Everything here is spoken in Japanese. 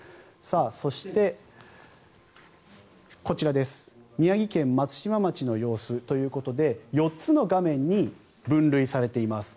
そして、こちら宮城県松島町の様子ということで４つの画面に分類されています。